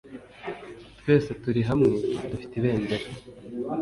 twese tuli hamwe dufite ibendera